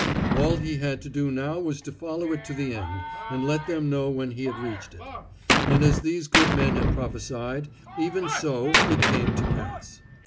All he had to do now was to follow it to the end, and let them know when he had reached it. And as these good men had prophesied, even so it came to pass.